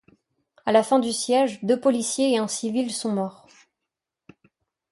À la fin du siège, deux policiers et un civil sont morts.